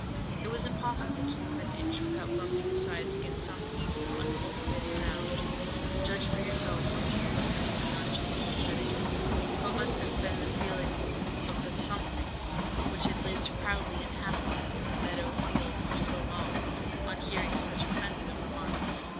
It was impossible to move an inch without bumping his sides against some piece of uncultivated ground. "Judge for yourselves, my dears," continued Aunt Judy, pathetically, "what must have been the feelings of the 'something' which had lived proudly and happily in the meadow field for so long, on hearing such offensive remarks.